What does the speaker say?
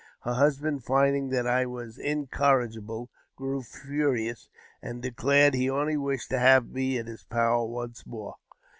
Her husband, finding that I was incor rigible, grew furious, and declared he only wished to have me in his power once more.